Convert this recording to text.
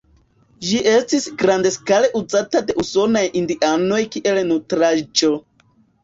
Ĝi estis grandskale uzata de usonaj indianoj kiel nutraĵo.